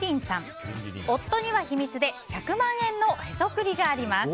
夫には秘密で１００万円のへそくりがあります。